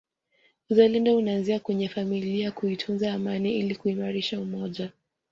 Uzalendo unaanzia kwenye familia kuitunza amani ili kuimarisha umoja